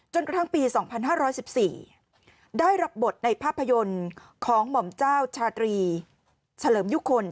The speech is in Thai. จนกระทั่งปี๒๕๑๔